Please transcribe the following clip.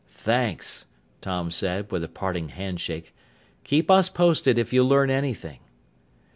"Thanks," Tom said with a parting handshake. "Keep us posted if you learn anything."